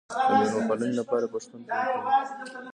د میلمه پالنې لپاره پښتون پور کوي.